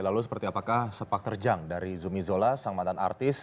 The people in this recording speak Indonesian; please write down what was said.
lalu seperti apakah sepak terjang dari zumi zola sang mantan artis